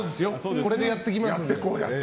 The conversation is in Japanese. これでやっていきますんで。